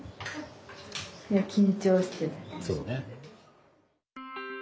そうね。